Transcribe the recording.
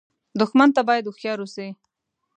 دښمن ته باید هوښیار اوسې